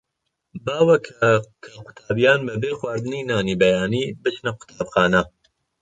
باوە کە کە قوتابییان بەبێ خواردنی نانی بەیانی بچنە قوتابخانە.